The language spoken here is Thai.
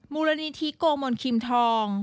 มูลนิธิโกมนคิมทอง